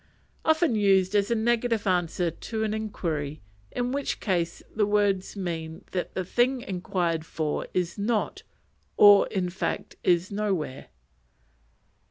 Often used as a negative answer to an inquiry, in which case the words mean that the thing inquired for is not, or in fact is nowhere.